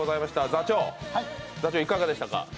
座長、いかがでしたか？